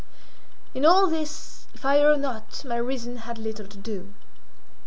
In all this, if I err not, my reason had little to do.